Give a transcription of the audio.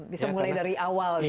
bisa mulai dari awal